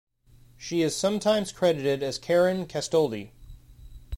She is sometimes credited as Karen Castoldi.